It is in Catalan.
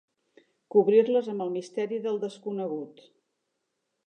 Cobrir-les amb el misteri del desconegut.